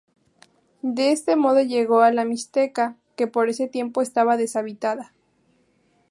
De este modo llegó a la Mixteca, que por ese tiempo estaba deshabitada.